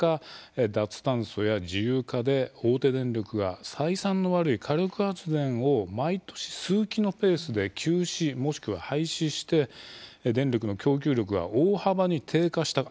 脱炭素や自由化で大手電力が採算の悪い火力発電を毎年数基のペースで休止もしくは廃止して電力の供給力が大幅に低下したこと。